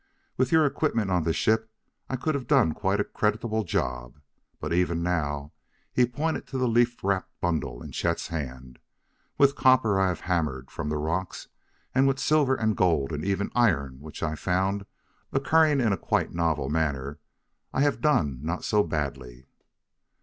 With your equipment on the ship I could have done a quite creditable job, but even now," he pointed to the leaf wrapped bundle in Chet's hand "with copper I have hammered from the rocks, and with silver and gold and even iron which I found occurring in a quite novel manner, I have done not so badly."